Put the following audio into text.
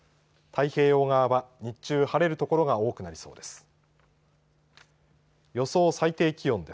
太平洋側は日中晴れる所が多くなりそうです。